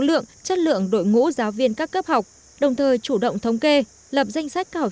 lượng chất lượng đội ngũ giáo viên các cấp học đồng thời chủ động thống kê lập danh sách các học